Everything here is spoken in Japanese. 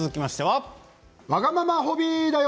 「わがままホビー」だよ。